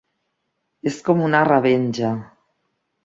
És com una revenja…